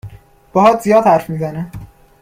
باهات زیاد حرف میزنه